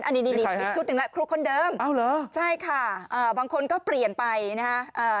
อันนี้ชุดหนึ่งละครูคนเดิมใช่ค่ะบางคนก็เปลี่ยนไปนะครับ